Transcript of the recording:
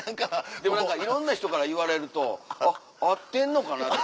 でもいろんな人から言われるとあっ合ってんのかな？って。